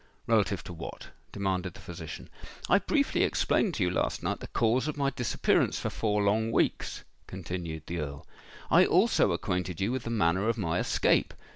"Relative to what?" demanded the physician. "I briefly explained to you last night the cause of my disappearance for four long weeks," continued the Earl; "I also acquainted you with the manner of my escape.